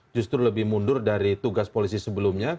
justru lebih mundur dari tugas polisi sebelumnya